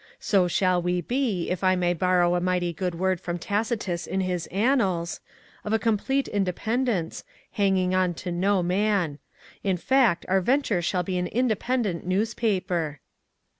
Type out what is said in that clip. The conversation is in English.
So shall we be, if I may borrow a mighty good word from Tacitus his Annals, of a complete independence, hanging on to no man. In fact our venture shall be an independent newspaper."